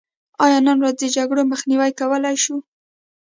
آیا نن ورځ د جګړو مخنیوی کولی شو؟